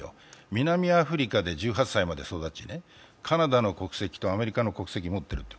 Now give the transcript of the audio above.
南アフリカで１８歳まで育ち、カナダの国籍とアメリカの国籍を持っている。